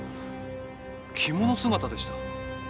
着物姿でした。